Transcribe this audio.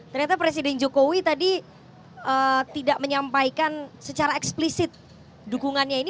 ternyata presiden jokowi tadi tidak menyampaikan secara eksplisit dukungannya ini